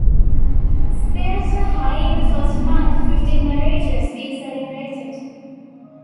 Spirits were high in the first month, fifteen marriages being celebrated.